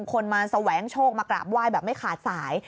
คนมาแสวงโชคมากราบไหว้แบบไม่ขาดสาย